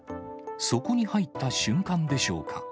そこに入った瞬間でしょうか。